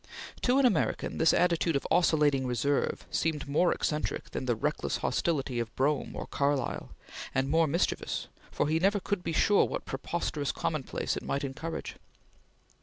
To an American this attitude of oscillating reserve seemed more eccentric than the reckless hostility of Brougham or Carlyle, and more mischievous, for he never could be sure what preposterous commonplace it might encourage.